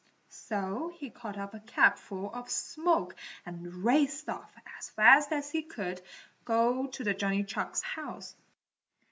So he caught up a capful of smoke and raced off as fast as he could go to Johnny Chuck's house.